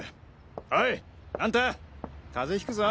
おいアンタ風邪ひくぞ！